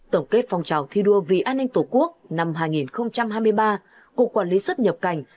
tổng kết phong trào thi đua vì an ninh tổ quốc năm hai nghìn hai mươi ba cục quản lý xuất nhập cảnh